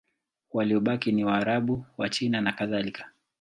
Waliobaki ni Waarabu, Wachina nakadhalika.